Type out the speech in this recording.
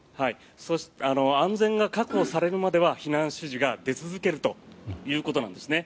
安全が確保されるまでは避難指示が出続けるということなんですね。